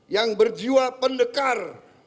yang berjiwa pendekar